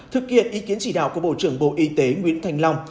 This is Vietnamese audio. thực hiện ý kiến chỉ đạo của bộ trưởng bộ y tế nguyễn thành long